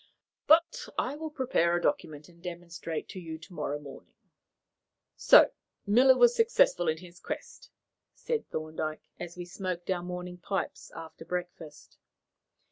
But I will prepare a document and demonstrate to you to morrow morning." "So Miller was successful in his quest," said Thorndyke, as we smoked our morning pipes after breakfast.